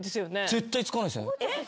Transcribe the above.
絶対使わないっすね。